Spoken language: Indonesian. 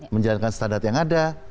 menjalankan standar yang ada